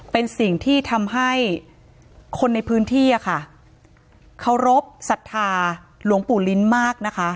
เป็นสิ่งที่ทำให้คนในพื้นที่อะค่ะเคารพสัทธาหลวงปู่ลิ้นมากนะคะ